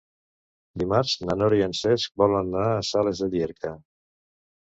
Dimarts na Nora i en Cesc volen anar a Sales de Llierca.